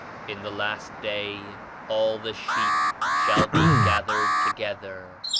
"In the last day all the sheep shall be gathered together."